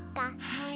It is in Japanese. はい。